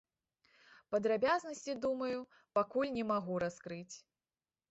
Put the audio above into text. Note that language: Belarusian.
Падрабязнасці, думаю, пакуль не магу раскрыць.